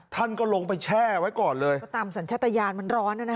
ท่านก็ลงไปแช่ไว้ก่อนเลยตามสัญชาตยานมันร้อนน่ะนะครับ